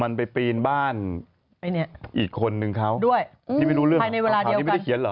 มันไปปีนบ้านอีกคนนึงเขาที่ไม่รู้เรื่องหรอกภาพนี้ไม่ได้เขียนเหรอ